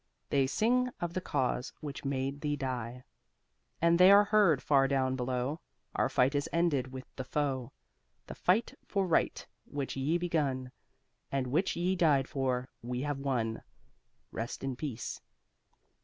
They sing of the cause which made thee die. And they are heard far down below, Our fight is ended with the foe. The fight for right, which ye begun And which ye died for, we have won. Rest in peace.